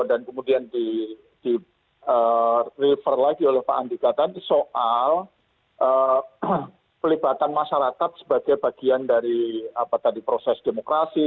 dan kemudian di refer lagi oleh pak andika tadi soal pelibatan masyarakat sebagai bagian dari proses demokrasi